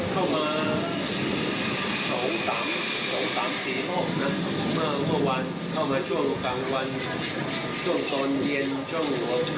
คุณนี่แน่นว่าตำรวจเข้ามาสองสามสี่ห้องนะครับผม